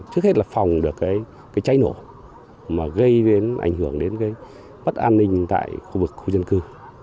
trước hết là phòng được cái cháy nổ mà gây đến ảnh hưởng đến cái bất an ninh tại khu vực khu dân cư